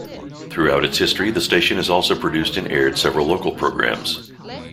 Throughout its history, the station has also produced and aired several local programs.